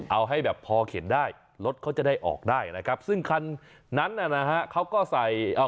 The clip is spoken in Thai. เอาให้แบบพอเข็นได้รถเขาจะได้ออกได้นะครับซึ่งคันนั้นน่ะนะฮะเขาก็ใส่เอา